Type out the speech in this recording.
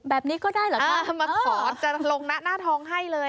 แบบนี้ก็ได้เหรอคะถ้ามาขอจะลงหน้าทองให้เลย